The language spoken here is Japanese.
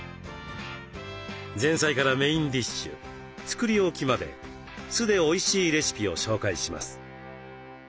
前菜からメインディッシュ作り置きまで酢でおいしいレシピを紹介します。